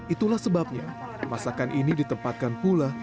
itulah sebabnya masakan ini ditempatkan pula